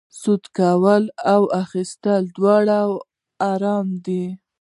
سود کول او اخیستل دواړه حرام دي